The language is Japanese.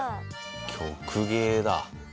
曲芸だ。